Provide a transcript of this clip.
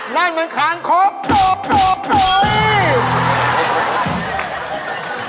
นั่นเป็นคังครบโต่ผ่อย